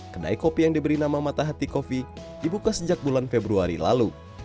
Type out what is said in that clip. kedai kopi yang diberi nama matahati kopi dibuka sejak bulan februari lalu